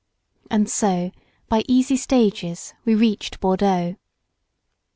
And so, by easy, stages we reached Bordeaux.